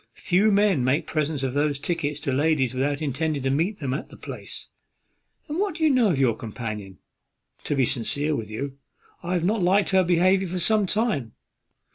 Few men make presents of those tickets to ladies without intending to meet them at the place. And what do we know of your companion? To be sincere with you, I have not liked her behaviour for some time.